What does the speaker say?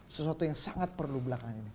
sesuatu yang sangat perlu belakangan ini